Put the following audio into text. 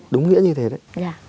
đúng nghĩa như thế đấy